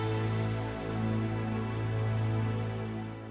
โปรดติดตามตอนต่อไป